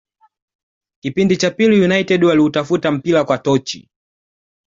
Kipindi cha pili United waliutafuta mpira kwa tochi